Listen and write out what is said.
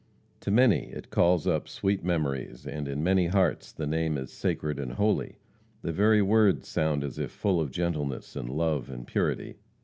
To many it calls up sweet memories, and in many hearts the name is sacred and holy. The very words sound as if full of gentleness, and love, and purity.